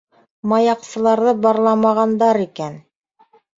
Маяҡсыларҙы барламағандар икән.